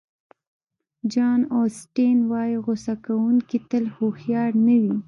جان اوسټین وایي غوصه کوونکي تل هوښیار نه وي.